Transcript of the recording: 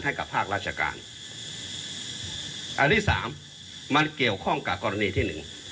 ให้กับภาคราชการอันที่สามมันเกี่ยวข้องกับกรณีที่หนึ่ง